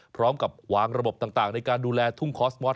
พร้อมกับวางระบบต่างในการดูแลทุ่งคอสมอส